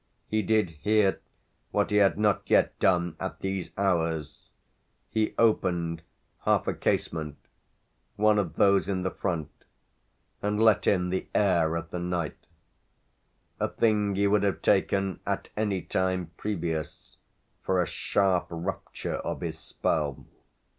He did here what he had not yet done at these hours he opened half a casement, one of those in the front, and let in the air of the night; a thing he would have taken at any time previous for a sharp rupture of his spell.